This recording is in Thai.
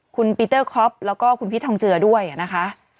คุณปีเตอร์คอปแล้วก็คุณพีชทองเจือด้วยนะคะ